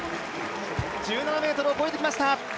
１７ｍを越えてきました。